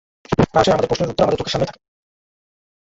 প্রায়শই আমাদের প্রশ্নের উত্তর আমাদের চোখের সামনেই থাকে।